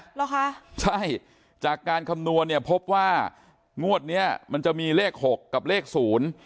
เหรอคะใช่จากการคำนวณเนี่ยพบว่างวดเนี้ยมันจะมีเลขหกกับเลขศูนย์